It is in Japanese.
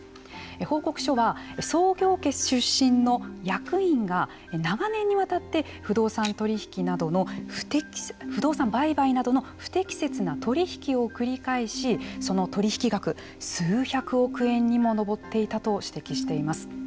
報告書は創業家出身の役員が長年にわたって不動産取り引きなどの不動産売買などの不適切な取り引きを繰り返しその取り引き額は数百億円にも上っていたと指摘しています。